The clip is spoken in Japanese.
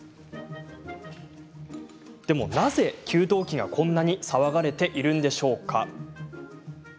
でもなぜ、給湯器がこんなに騒がれているんでしょうか。